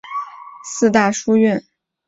这时候出现了四大书院的说法。